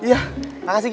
ini serius buat bobby